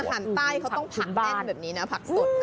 อาหารใต้เขาต้องผักแท่นพักสด